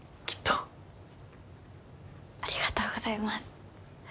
ありがとうございます。